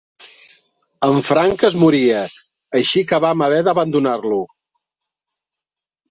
En Frank es moria, així que vam haver d'abandonar-lo.